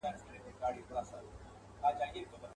نه شاهین به یې له سیوري برابر کړي.